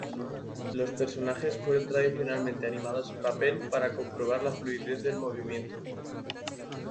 Los personajes fueron tradicionalmente animados en papel para comprobar la fluidez del movimiento.